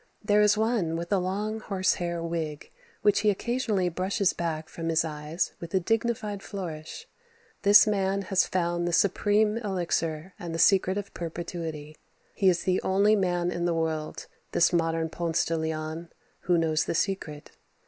There is one with a long, horse hair wig which he occasionally brushes back from his eyes with a dignified flourish. This man has found the supreme elixir and the secret of perpetuity. He is the only man in the world, this modern Ponce de Leon, who knows the secret.